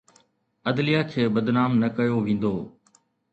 عدليه کي بدنام نه ڪيو ويندو.